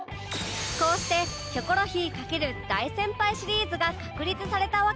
こうして『キョコロヒー』×大先輩シリーズが確立されたわけですが